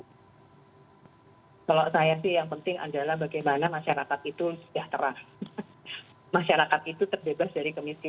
kalau saya sih yang penting adalah bagaimana masyarakat itu bisa mengikuti